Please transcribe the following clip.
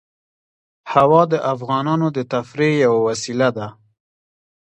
هوا د افغانانو د تفریح یوه وسیله ده.